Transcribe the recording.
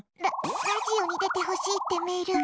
ラジオに出てほしいってメールが。